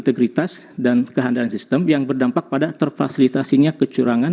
integritas dan kehandalan sistem yang berdampak pada terfasilitasinya kecurangan